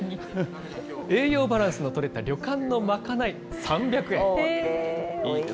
栄養バランスの取れた旅館の賄い３００円。